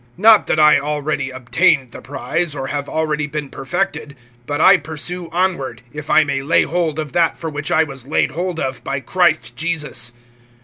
(12)Not that I already obtained [the prize][3:12], or have already been perfected; but I pursue onward, if I may lay hold of that for which I was laid hold of by Christ Jesus.